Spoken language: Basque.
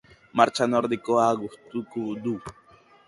Martxa nordikoa gustuko du.